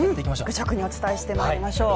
愚直にお伝えしていきましょう。